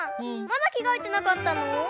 まだきがえてなかったの？